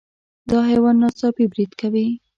دا حیوان ناڅاپي برید کوي.